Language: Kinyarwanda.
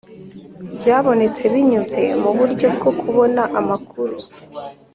Byabonetse binyuze mu buryo bwo kubona amakuru